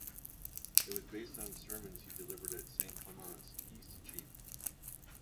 It was based on sermons he delivered at Saint Clement's, Eastcheap.